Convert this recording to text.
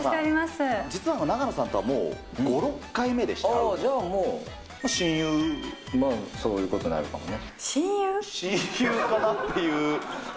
実は永野さんとはもう５、６回目でして、そういうことになるかもね。